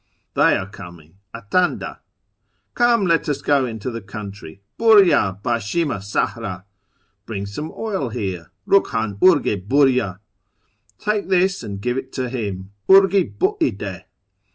They are coming — Atandn. Come, let us go into the country! — Biiri/a, hd.'^hinia sahrd! Bring some oil here — Ruglian urge hilrya. Take this and give it him — Urgi hl'i de.